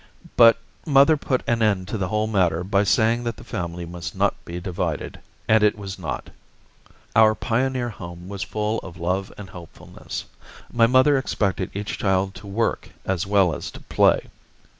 But mother put an end to the whole matter by saying that the family must not be divided, and it was not. Our pioneer home was full of love and helpfulness. My mother expected each child to work as well as to play.